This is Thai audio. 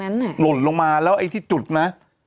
หล่นลงมาแล้วไอ้ที่จุดนะ